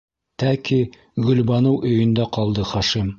Тәки Гөлбаныу өйөндә ҡалды Хашим.